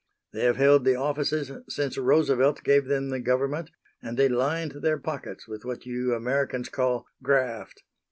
They have held the offices since Roosevelt gave them the government, and they lined their pockets with what you Americans call 'graft.'